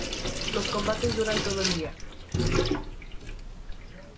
Los combates duran todo el día.